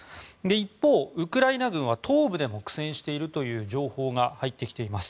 一方、ウクライナ軍は東部でも苦戦しているという情報が入ってきています。